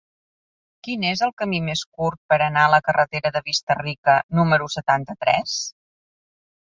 Quin és el camí més curt per anar a la carretera de Vista-rica número setanta-tres?